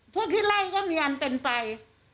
พวกที่ไล่ก็มีอันเป็นไป